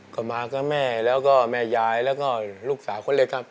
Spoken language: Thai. ก็มากับแม่แล้วก็แม่ยายแล้วก็ลูกสาวคนเล็กครับ